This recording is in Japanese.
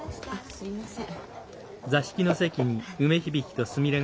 すいません。